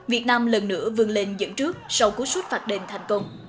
việt nam lần nữa vươn lên dẫn trước sau cú sút phạt đền thành công